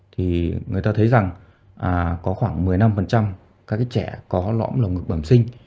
thì người ta thấy rằng có khoảng một mươi năm các trẻ có lõng ngực bẩm sinh